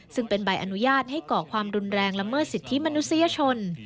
ซึ่งเป็นใบอนุญาตให้ก่อความรุนแรงละเมิดสิทธิมนุษยชน